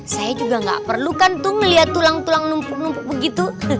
saya juga nggak perlu kan tuh melihat tulang tulang numpuk numpuk begitu